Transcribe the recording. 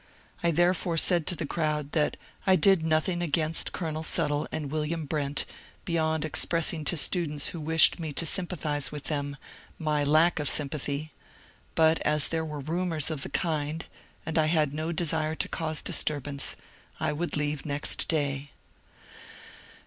I therefore said to the crowd that I did nothing against Colonel Suttle and William Brent beyond expressing to students who wished me to sympathize widi them my lack of sympathy ; but as there were rumours of the kind and I had no desire to cause disturbance, I would leave next day.